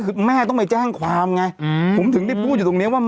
คือแม่ต้องไปแจ้งความไงผมถึงได้พูดอยู่ตรงนี้ว่า